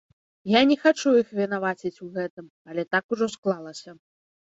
Я не хачу іх вінаваціць у гэтым, але так ужо склалася.